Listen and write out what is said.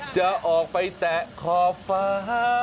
จะออกไปแตะขอบฟ้า